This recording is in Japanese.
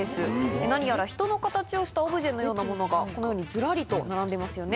何やら人の形をしたオブジェのようなものがこのようにずらりと並んでいますよね。